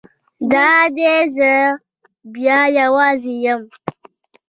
دا دی زه بیا یوازې یم.